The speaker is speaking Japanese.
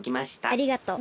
ありがとう。